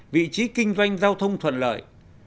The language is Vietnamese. vị trí kinh doanh giao thông thuận lợi